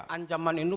ancaman ini penuh